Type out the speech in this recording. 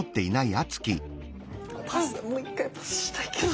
もう１回パスしたいけど。